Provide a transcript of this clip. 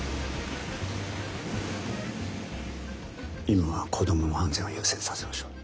今は子どもの安全を優先させましょう。